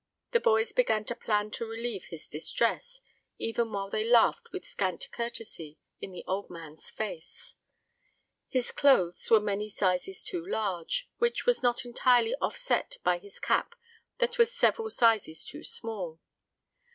The boys began to plan to relieve his distress, even while they laughed with scant courtesy in the old man's face. His clothes were many sizes too large, which was not entirely offset by his cap that was several sizes too small.